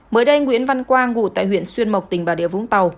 mới đây nguyễn văn quang ngụ tại huyện xuyên mộc tỉnh bà địa vũng tàu